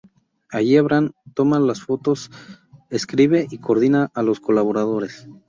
Allí Abraham, toma las fotos, escribe y coordina a los colaboradores.